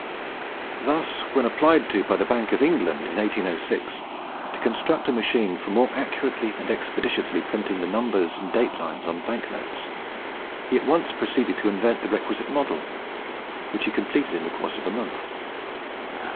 Thus, when applied to by the Bank of England in 1806, to construct a machine for more accurately and expeditiously printing the numbers and date lines on Bank notes, he at once proceeded to invent the requisite model, which he completed in the course of a month.